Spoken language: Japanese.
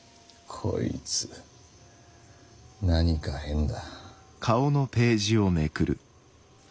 こいつ何か変だ。